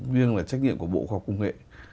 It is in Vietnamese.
riêng là trách nhiệm của bộ khoa công nghệ